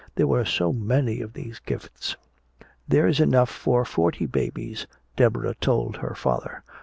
There were so many of these gifts. "There's enough for forty babies," Deborah told her father.